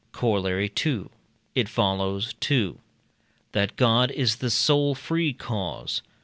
Corollary II. It follows: 2. That God is the sole free cause.